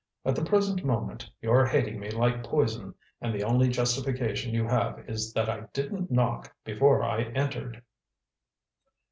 At the present moment, you're hating me like poison, and the only justification you have is that I didn't knock before I entered!"